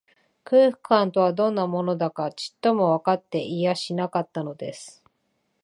空腹感とは、どんなものだか、ちっともわかっていやしなかったのです